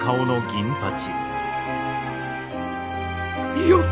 いよっ！